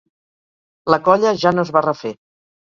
La colla ja no es va refer.